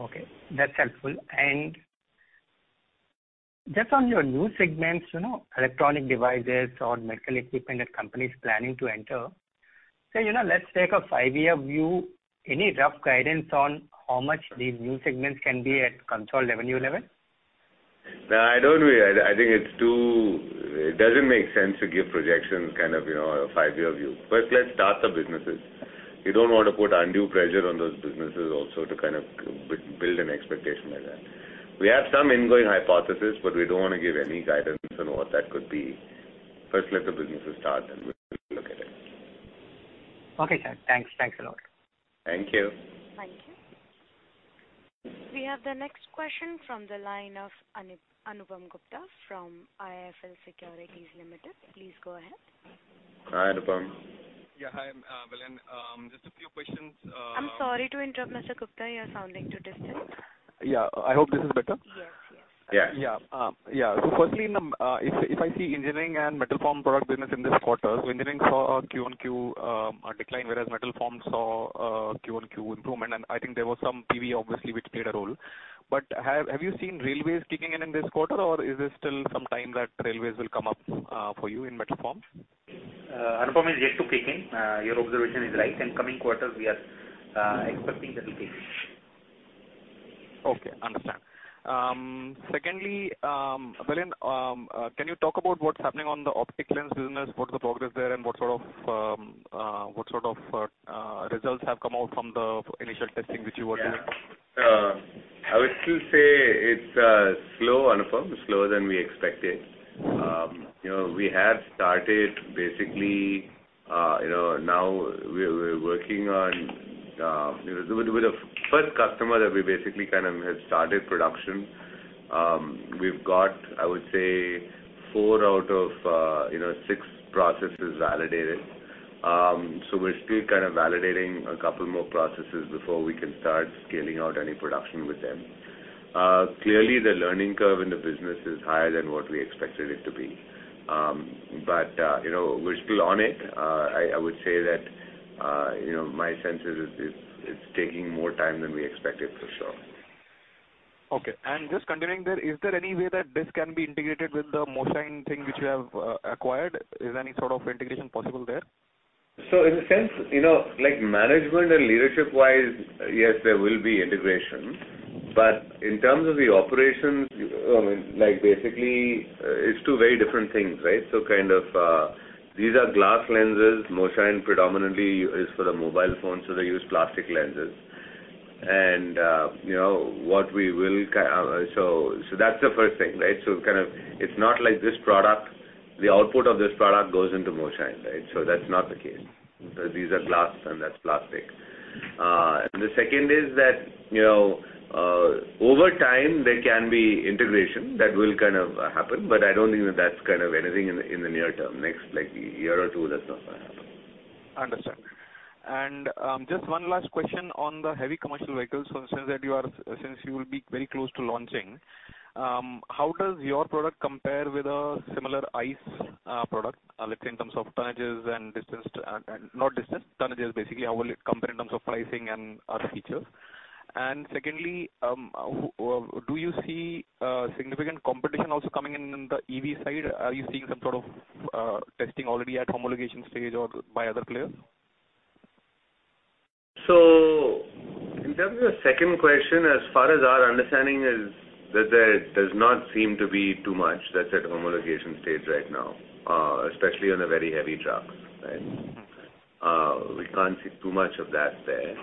Okay, that's helpful. Just on your new segments, you know, electronic devices or medical equipment that the company's planning to enter. You know, let's take a five-year view. Any rough guidance on how much these new segments can be at consolidated revenue level? No, I don't really. I think it's too. It doesn't make sense to give projections kind of, you know, a five-year view. First, let's start the businesses. We don't want to put undue pressure on those businesses also to kind of build an expectation like that. We have some ingoing hypothesis, but we don't want to give any guidance on what that could be. First, let the businesses start, then we'll look at it. Okay, Sir. Thanks. Thanks a lot. Thank you. Thank you. We have the next question from the line of Anupam Gupta from IIFL Securities Limited. Please go ahead. Hi, Anupam. Yeah. Hi, Vellayan. Just a few questions. I'm sorry to interrupt, Mr. Gupta. You're sounding too distant. Yeah. I hope this is better. Yes. Yes. Yeah. Firstly, if I see Engineering and Metal Formed products business in this quarter, Engineering saw a Q-on-Q decline, whereas metal formed saw a Q-on-Q improvement, and I think there was some PV obviously which played a role. Have you seen railways kicking in in this quarter? Or is there still some time that railways will come up for you in Metal Formed? Anupam, is yet to kick in. Your observation is right. In coming quarters, we are expecting that will kick in. Okay. Understand. Secondly, Vellayan, can you talk about what's happening on the optics lens business? What's the progress there, and what sort of results have come out from the initial testing which you were doing? Yeah. I would still say it's slow, Anupam. Slower than we expected. You know, we have started basically, you know, now we're working on with a first customer that we basically kind of have started production. We've got, I would say four out of, you know, six processes validated. So, we're still kind of validating a couple more processes before we can start scaling out any production with them. Clearly the learning curve in the business is higher than what we expected it to be. But, you know, we're still on it. I would say that, you know, my sense is it's taking more time than we expected for sure. Okay. Just continuing there, is there any way that this can be integrated with the Moshine thing which you have acquired? Is any sort of integration possible there? In a sense, you know, like management and leadership wise, yes, there will be integration. In terms of the operations, I mean, like basically it's two very different things, right? Kind of, these are glass lenses. Moshine predominantly is for the mobile phone, so they use plastic lenses. So that's the first thing, right? Kind of it's not like this product. The output of this product goes into Moshine, right? That's not the case. These are glass and that's plastic. And the second is that, you know, over time there can be integration that will kind of happen. I don't think that that's kind of anything in the near term. Next like year or two, that's not going to happen. Understood. Just one last question on the heavy commercial vehicles. Since you will be very close to launching, how does your product compare with a similar ICE product, let's say in terms of tonnages basically, how will it compare in terms of pricing and other features? Secondly, do you see significant competition also coming in the EV side? Are you seeing some sort of testing already at homologation stage or by other players? In terms of the second question, as far as our understanding is, there does not seem to be too much that's at homologation stage right now, especially on very heavy trucks, right? We can't see too much of that there.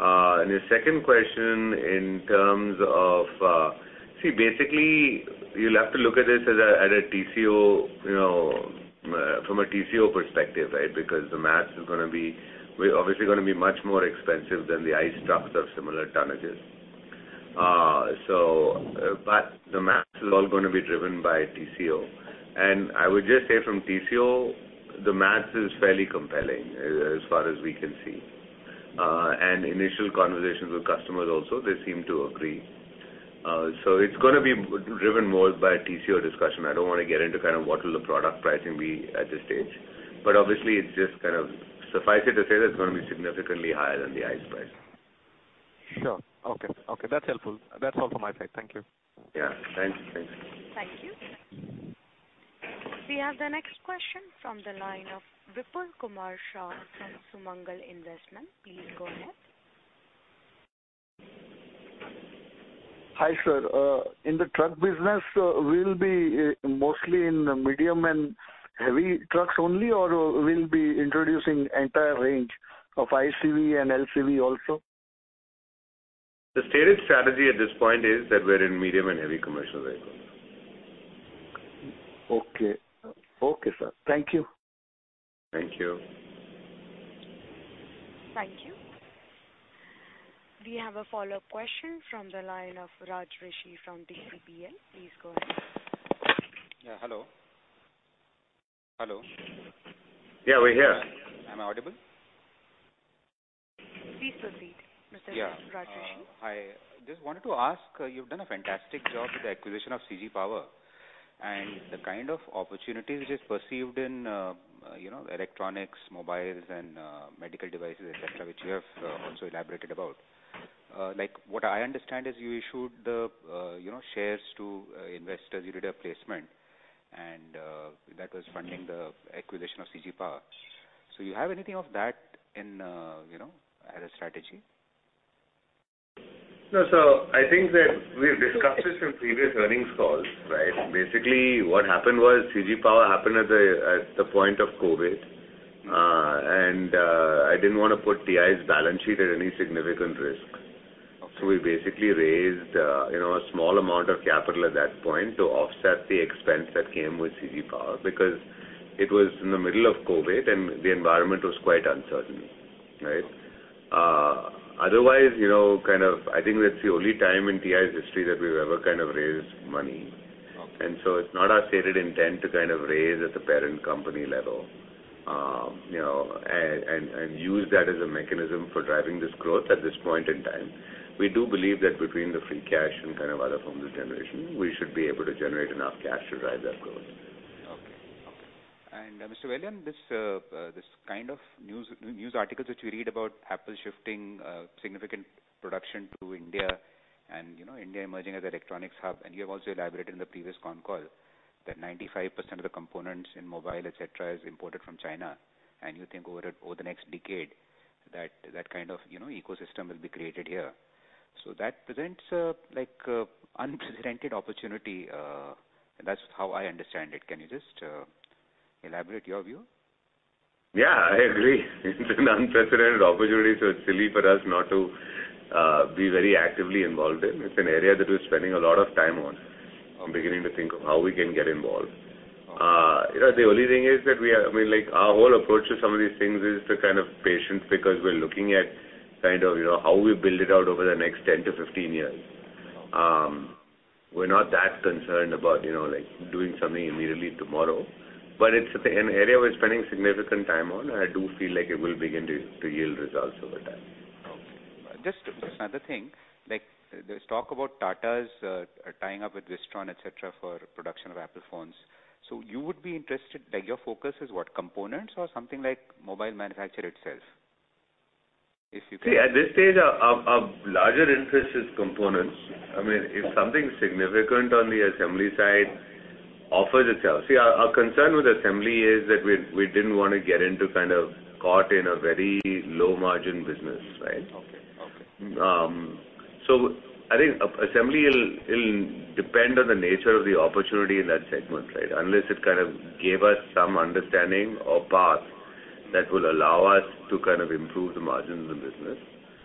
Your second question in terms of. See, basically you'll have to look at this as a TCO, you know, from a TCO perspective, right? Because the math is going to be, we're obviously going to be much more expensive than the ICE trucks of similar tonnages. But the math is all going to be driven by TCO. I would just say from TCO, the math is fairly compelling as far as we can see. Initial conversations with customers also, they seem to agree. It's going to be driven more by TCO discussion. I don't want to get into kind of what will the product pricing be at this stage, but obviously it's just kind of suffice it to say that it's going to be significantly higher than the ICE price. Sure. Okay. Okay, that's helpful. That's all from my side. Thank you. Yeah. Thank you. Thanks. Thank you. We have the next question from the line of Vipul Kumar Shah from Sumangal Investments. Please go ahead. Hi, Sir. In the Truck business, we'll be mostly in the medium and heavy trucks only, or we'll be introducing entire range of ICV and LCV also? The stated strategy at this point is that we're in medium and heavy commercial vehicles. Okay. Okay, Sir. Thank you. Thank you. Thank you. We have a follow-up question from the line of Raj Rishi from DCPL. Please go ahead. Yeah. Hello? Hello? Yeah, we're here. Am I audible? Please proceed, Mr. Raj Rishi. Yeah. Hi. Just wanted to ask, you've done a fantastic job with the acquisition of CG Power and the kind of opportunities which is perceived in, you know, electronics, mobiles and medical devices, et cetera, which you have also elaborated about. Like what I understand is you issued, you know, shares to, investors. You did a placement and, that was funding the acquisition of CG Power. You have anything of that in, you know, as a strategy? No. I think that we've discussed this in previous earnings calls, right? Basically, what happened was CG Power happened at the point of COVID, and I didn't want to put TI's balance sheet at any significant risk. Okay. We basically raised, you know, a small amount of capital at that point to offset the expense that came with CG Power because it was in the middle of COVID and the environment was quite uncertain, right? Otherwise, you know, kind of I think that's the only time in TI's history that we've ever kind of raised money. Okay. It's not our stated intent to kind of raise at the parent company level, you know, and use that as a mechanism for driving this growth at this point in time. We do believe that between the free cash and kind of other cash flow generation, we should be able to generate enough cash to drive that growth. Okay. Mr. Vellayan, this kind of news articles which we read about Apple shifting significant production to India and, you know, India emerging as electronics hub, and you have also elaborated in the previous con call that 95% of the components in mobile, et cetera, is imported from China. You think over the next decade that kind of, you know, ecosystem will be created here. That presents a like unprecedented opportunity, and that's how I understand it. Can you just elaborate your view? Yeah, I agree. It's an unprecedented opportunity, so it's silly for us not to be very actively involved in. It's an area that we're spending a lot of time on beginning to think of how we can get involved. You know, the only thing is that I mean, like, our whole approach to some of these things is to kind of patient because we're looking at kind of you know, how we build it out over the next 10 to 15 years. We're not that concerned about, you know, like doing something immediately tomorrow. It's an area we're spending significant time on, and I do feel like it will begin to yield results over time. Okay. Just another thing, like there's talk about Tata's tying up with Wistron, et cetera, for production of Apple phones. You would be interested. Like, your focus is what? Components or something like mobile manufacturer itself? If you can See, at this stage, our larger interest is components. I mean, if something significant on the assembly side offers itself. See, our concern with assembly is that we didn't want to get into kind of caught in a very low margin business, right? Okay. I think asset assembly will depend on the nature of the opportunity in that segment, right? Unless it kind of gave us some understanding or path that will allow us to kind of improve the margins of the business.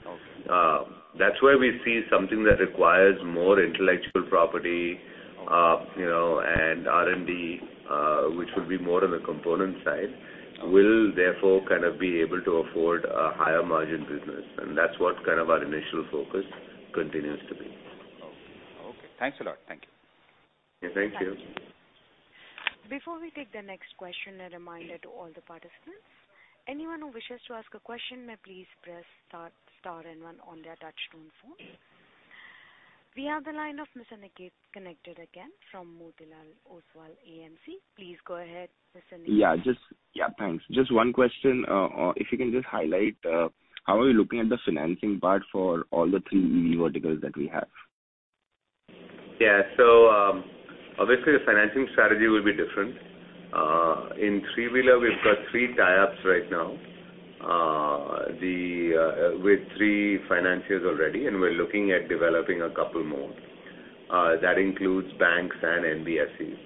Okay. That's where we see something that requires more intellectual property, you know, and R&D, which would be more on the component side. Okay. Will therefore kind of be able to afford a higher margin business, and that's what kind of our initial focus continues to be. Okay. Thanks a lot. Thank you. Yeah, thank you. Thank you. Before we take the next question, a reminder to all the participants, anyone who wishes to ask a question may please press star and one on their touch-tone phone. We have the line of Mr. Niket connected again from Motilal Oswal AMC. Please go ahead, Mr. Niket. Thanks. Just one question. If you can just highlight how are you looking at the financing part for all the three EV verticals that we have? Obviously, the financing strategy will be different. In three-wheeler, we've got three tie-ups right now with three financiers already, and we're looking at developing a couple more. That includes banks and NBFCs.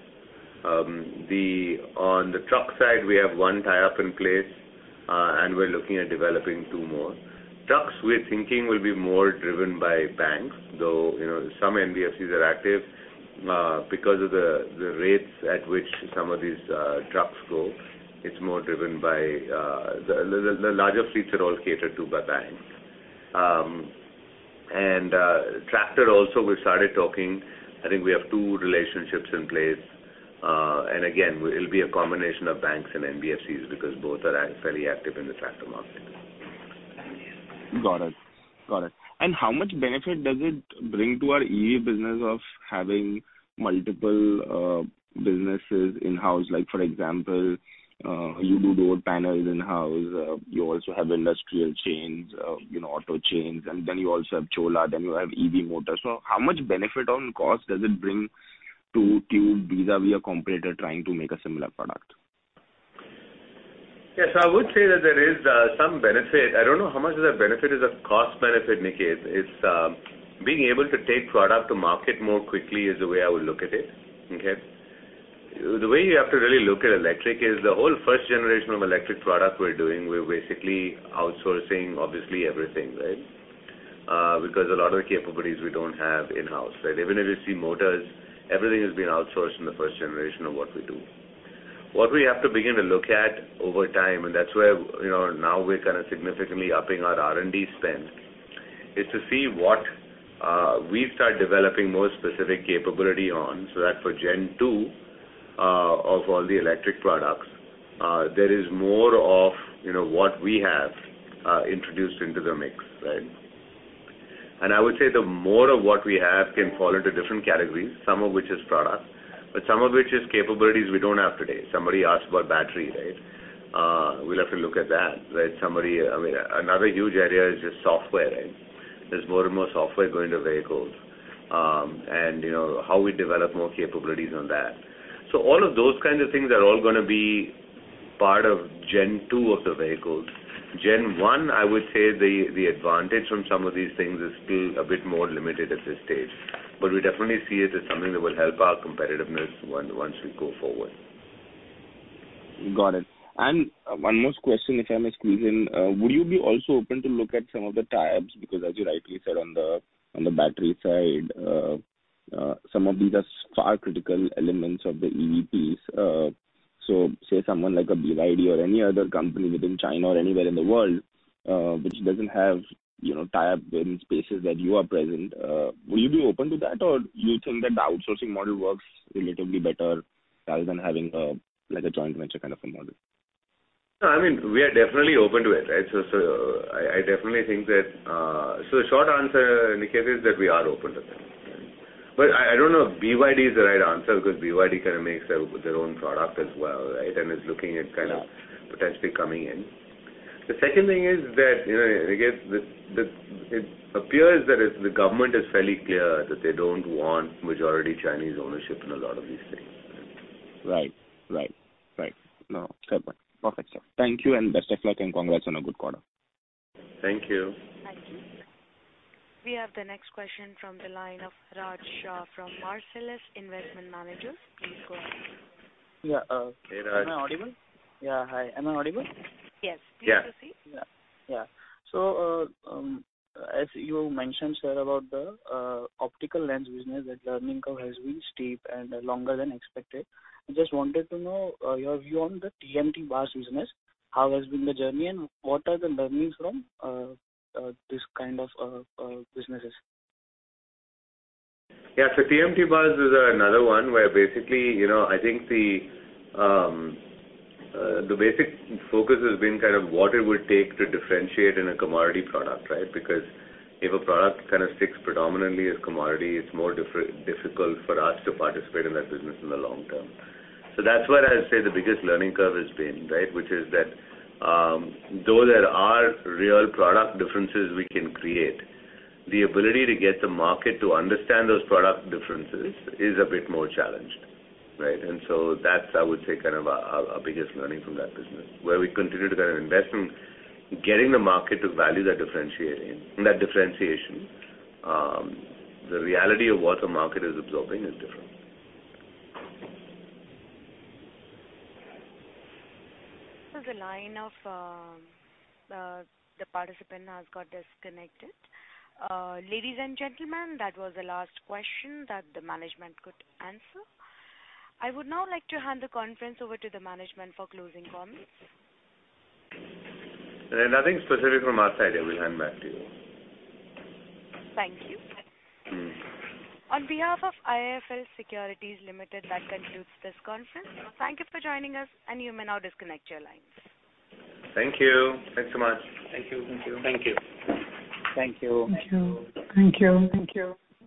On the truck side, we have one tie-up in place and we're looking at developing two more. Trucks we're thinking will be more driven by banks, though, you know, some NBFCs are active because of the rates at which some of these trucks go. It's more driven by the larger fleets are all catered to by banks. Tractor also we've started talking. I think we have two relationships in place. Again, it'll be a combination of banks and NBFCs because both are fairly active in the tractor market. Got it. How much benefit does it bring to our EV business of having multiple businesses in-house? Like for example, you do door panels in-house, you also have industrial chains, you know, auto chains, and then you also have Chola, then you have EV Motors. How much benefit on cost does it bring to vis-à-vis a competitor trying to make a similar product? Yes, I would say that there is some benefit. I don't know how much of that benefit is a cost benefit, Niket. It's being able to take product to market more quickly is the way I would look at it. Okay. The way you have to really look at electric is the whole first generation of electric product we're doing, we're basically outsourcing obviously everything, right? Because a lot of the capabilities we don't have in-house, right? Even if you see motors, everything has been outsourced in the first generation of what we do. What we have to begin to look at over time, and that's where, you know, now we're kind of significantly upping our R&D spend, is to see what we start developing more specific capability on, so that for gen two of all the electric products, there is more of, you know, what we have introduced into the mix, right? I would say the more of what we have can fall into different categories, some of which is product, but some of which is capabilities we don't have today. Somebody asked about battery, right? We'll have to look at that, right? I mean, another huge area is just software, right? There's more and more software going to vehicles. You know, how we develop more capabilities on that. All of those kinds of things are all going to be part of gen two of the vehicles. Gen one, I would say the advantage from some of these things is still a bit more limited at this stage. We definitely see it as something that will help our competitiveness one, once we go forward. Got it. One last question, if I may squeeze in. Would you be also open to look at some of the tie-ups? Because as you rightly said on the battery side, some of these are very critical elements of the EVs. So, say someone like a BYD or any other company within China or anywhere in the world, which doesn't have, you know, tie-up in spaces that you are present, will you be open to that? Or you think that the outsourcing model works relatively better rather than having, like a joint venture kind of a model? No, I mean, we are definitely open to it, right? Short answer, Niket, is that we are open to that. Right. I don't know if BYD is the right answer because BYD kind of makes their own product as well, right, and is looking at kind of potentially coming in. The second thing is that, you know, and I guess it appears that as the government is fairly clear that they don't want majority Chinese ownership in a lot of these things. Right. Right. No, fair point. Perfect, Sir. Thank you and best of luck, and congrats on a good quarter. Thank you. Thank you. We have the next question from the line of Raj Shah from Marcellus Investment Managers. Please go ahead. Yeah. Hey, Raj. Am I audible? Yeah. Hi. Am I audible? Yes. Yeah. As you mentioned, Sir, about the optical lens business, that learning curve has been steep and longer than expected. I just wanted to know your view on the TMT bars business. How has been the journey, and what are the learnings from this kind of businesses? Yeah. TMT bars is another one where basically, you know, I think the basic focus has been kind of what it would take to differentiate in a commodity product, right? Because if a product kind of sticks predominantly as commodity, it's more difficult for us to participate in that business in the long term. That's where I'd say the biggest learning curve has been, right? Which is that, though there are real product differences we can create, the ability to get the market to understand those product differences is a bit more challenging. Right? That's, I would say, kind of our biggest learning from that business, where we continue to kind of invest in getting the market to value that differentiate, that differentiation. The reality of what the market is absorbing is different. The line of the participant has got disconnected. Ladies and gentlemen, that was the last question that the management could answer. I would now like to hand the conference over to the management for closing comments. There's nothing specific from our side. I will hand back to you. Thank you. Mm-hmm. On behalf of IIFL Securities Limited, that concludes this conference. Thank you for joining us, and you may now disconnect your lines. Thank you. Thanks so much. Thank you. Thank you. Thank you. Thank you. Thank you. Thank you.